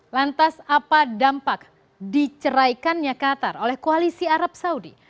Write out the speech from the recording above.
lantas apa dampak diceraikannya qatar oleh koalisi arab saudi